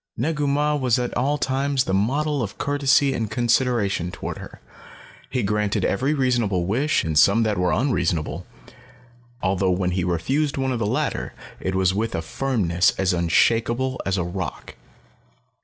Negu Mah was at all times the model of courtesy and consideration toward her. He granted every reasonable wish and some that were unreasonable although when he refused one of the latter, it was with a firmness as unshakeable as a rock.